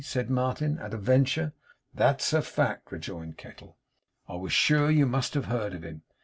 said Martin, at a venture. 'That's a fact,' rejoined Kettle. 'I was sure you must have heard of him!